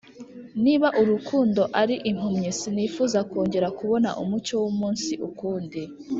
Niba urukundo ari impumyi sinifuza kongera kubona umucyo w’umunsi ukundi